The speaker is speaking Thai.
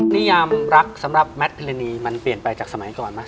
นิยามรักสำหรับแมทพิรณีมันเปลี่ยนไปจากสมัยก่อนไหม